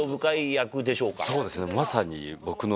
そうですねまさに。